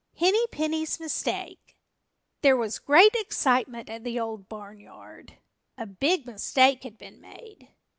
HENNY PENNY'S MISTAKE THERE was great excitement at the Old Barn Yard. A big mistake had been made.